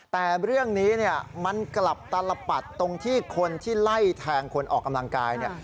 แต่เรื่องนี้เนี่ยมันกลับตลปัดตรงที่คนที่ไล่แทงคนออกกำลังกายเนี่ย